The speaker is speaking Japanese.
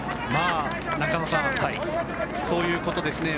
中野さん、そういうことですね。